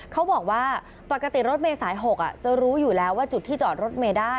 เขาบอกว่าปกติรถเมษาย๖จะรู้อยู่แล้วว่าจุดที่จอดรถเมด้า